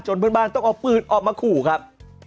เพื่อนบ้านต้องเอาปืนออกมาขู่ครับ